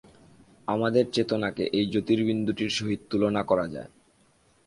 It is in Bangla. আমাদের চেতনাকে এই জ্যোতির্বিন্দুটির সহিত তুলনা করা যায়।